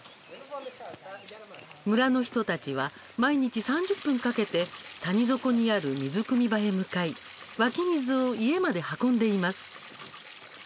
村の人たちは毎日３０分かけて谷底にある水くみ場へ向かい湧き水を家まで運んでいます。